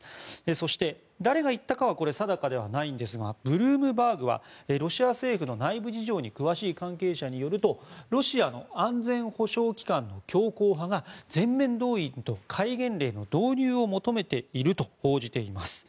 そして、誰が言ったかは定かではありませんがブルームバーグはロシア政府の内部事情に詳しい関係者によるとロシアの安全保障機関の強硬派が全面動員と戒厳令の導入を求めていると報じています。